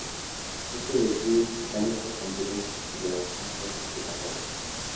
Muchos estudiosos islámicos consideran que su celebración no es obligatoria.